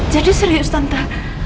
jadi serius tante